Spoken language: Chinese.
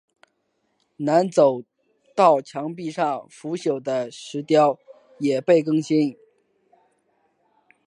南走道墙壁上腐朽的石雕也被更新。